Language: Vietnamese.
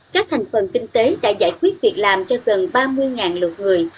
các thành phần kinh tế đã giải quyết việc làm cho gần ba mươi lượt người